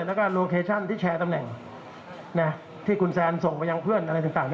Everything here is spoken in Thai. แล้วก็โลเคชั่นที่แชร์ตำแหน่งที่คุณแซนส่งไปยังเพื่อนอะไรต่าง